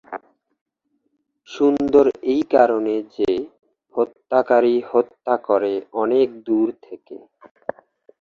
সুন্দর এই কারণে যে, হত্যকারী হত্যা করে অনেক দূর থেকে।